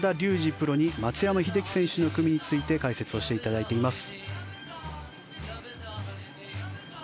プロに松山英樹選手の組について解説をしていただいています。